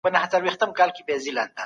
د بودیجي راپور څوک اوري؟